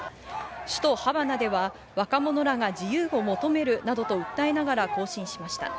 首都ハバナでは、若者らが自由を求めるなどと訴えながら行進しました。